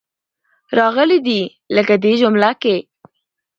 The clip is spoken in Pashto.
راغلې دي. لکه دې جمله کې.